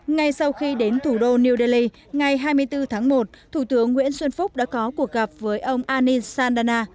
ngay sau khi đến thủ đô new delhi ngày hai mươi bốn tháng một thủ tướng nguyễn xuân phúc đã có cuộc gặp với ông ani sandana